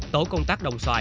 tổ công tác đồng xoài